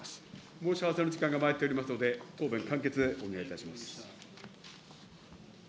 申し合わせの時間がまいっておりますので、答弁、簡潔にお願いいたします。